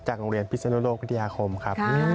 โรงเรียนพิศนุโลกวิทยาคมครับ